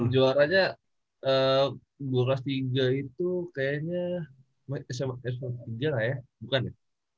juaranya gue kelas tiga itu kayaknya sma sma tiga lah ya bukan ya